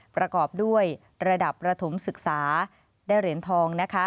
ประกอบด้วยระดับประถมศึกษาได้เหรียญทองนะคะ